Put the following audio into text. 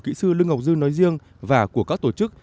kỹ sư lương ngọc dư nói riêng và của các tổ chức